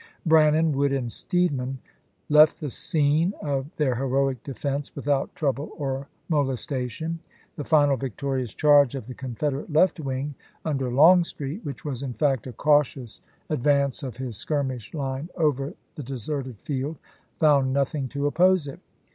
Brannan, Wood, and Steedman left the scene of their heroic defense without trouble or molestation ;" the final victorious charge of the Confederate left wing," under Longstreet — which was, in fact, a cautious Sept. 20, CHICKAMAUGA 105 advance of his skirmish line over the deserted chap.iv. field — found nothing to oppose it.